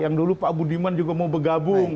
yang dulu pak budiman juga mau bergabung